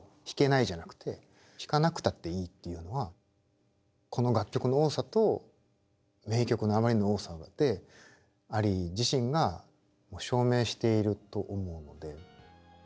「弾けない」じゃなくて弾かなくたっていいっていうのはこの楽曲の多さと名曲のあまりの多さでアリー自身が証明していると思うので。